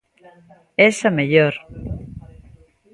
Es a mellor!